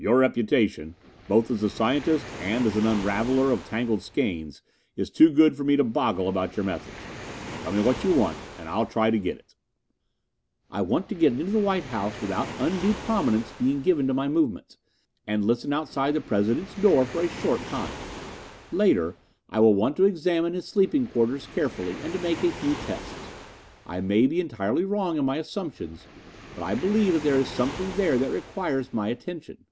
"Your reputation, both as a scientist and as an unraveller of tangled skeins, is too good for me to boggle about your methods. Tell me what you want and I'll try to get it." "I want to get into the White House without undue prominence being given to my movements, and listen outside the President's door for a short time. Later I will want to examine his sleeping quarters carefully and to make a few tests. I may be entirely wrong in my assumptions, but I believe that there is something there that requires my attention."